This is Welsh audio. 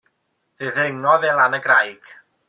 Fe ddringodd e lan y graig.